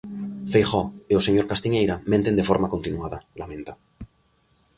"Feijóo e o señor Castiñeira menten de forma continuada", lamenta.